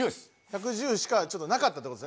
１１０しかなかったってことですね。